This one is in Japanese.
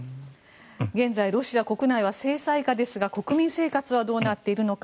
現在、ロシア国内は制裁下ですが国民生活はどうなっているのか。